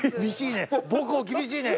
厳しいね。